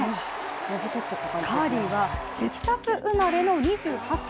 カーリーはテキサス生まれの２８歳。